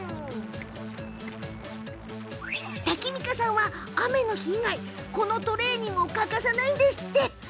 タキミカさんは雨の日以外このトレーニングを欠かさないんですって。